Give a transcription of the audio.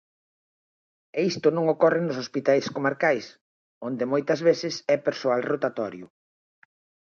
E isto non ocorre nos hospitais comarcais, onde moitas veces é persoal rotatorio.